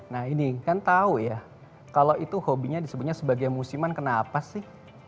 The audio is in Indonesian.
nah ini kan tahu ya kalau itu hobinya disebutnya sebagai musiman kenapa sih